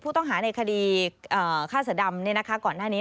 ผู้ต้องหาในคดีฆ่าเสือดำก่อนหน้านี้